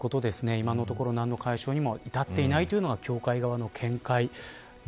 今のところ何の解消にもいたっていないのが協会側の見解